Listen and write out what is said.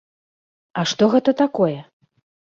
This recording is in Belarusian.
А што гэта такое?